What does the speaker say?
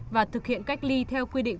và thực hiện cách ly theo quy định